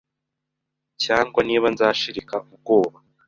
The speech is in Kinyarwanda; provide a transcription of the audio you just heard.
cyangwa niba nzashirika ubwoba